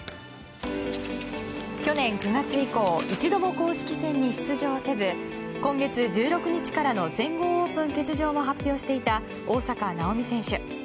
去年９月以降一度も公式戦に出場せず今月１６日からの全豪オープン欠場を発表していた大坂なおみ選手。